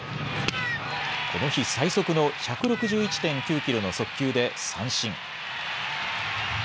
この日、最速の１６１．９キロの速球で三振。